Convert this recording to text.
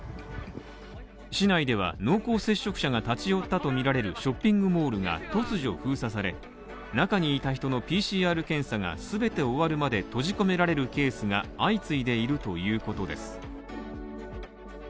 市内では濃厚接触者が立ち寄ったとみられるショッピングモールが突如封鎖され中にいた人のＰＣＲ検査が全て終わるまで閉じ込められるケースが相次いでいるということです。